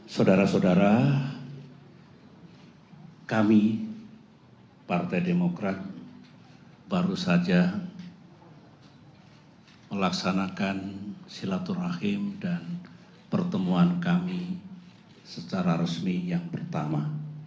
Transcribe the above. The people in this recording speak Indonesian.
saudara saudara kami partai demokrat baru saja melaksanakan silaturahim dan pertemuan kami secara resmi yang pertama